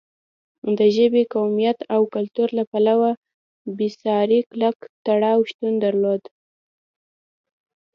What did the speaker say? د ژبې، قومیت او کلتور له پلوه بېساری کلک تړاو شتون درلود.